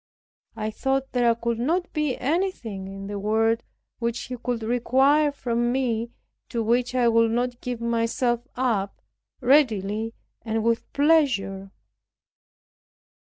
I thought there could not be anything in the world which He could require from me, to which I would not give myself up readily and with pleasure.